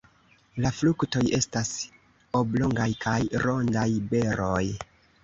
La fruktoj estas oblongaj kaj rondaj beroj.